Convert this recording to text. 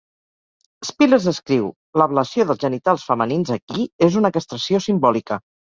Spillers escriu, L"ablació dels genitals femenins aquí és una castració simbòlica.